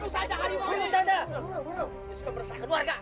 dia sudah bersah ke keluarga